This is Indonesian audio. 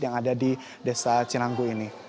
yang ada di desa cinanggu ini